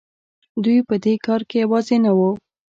دوی په دې کار کې یوازې نه وو.